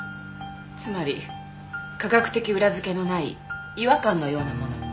つまり科学的裏付けのない違和感のようなもの。